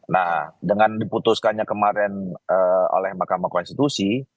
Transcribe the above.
nah dengan diputuskannya kemarin oleh mahkamah konstitusi